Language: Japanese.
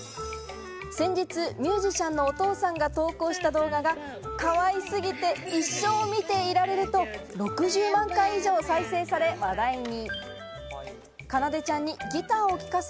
先日、ミュージシャンのお父さんが投稿した動画が「かわいすぎて一生見ていられる」と６０万回以上再生され話題に。